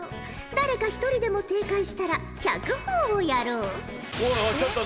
誰か一人でも正解したら１００ほぉをやろう。